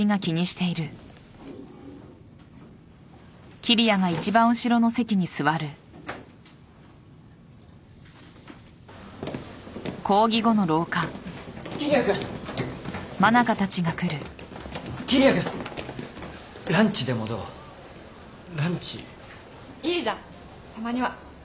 いいじゃんたまには。